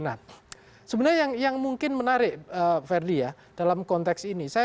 nah sebenarnya yang mungkin menarik ferdi ya dalam konteks ini